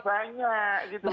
untungan banyak gitu loh mbak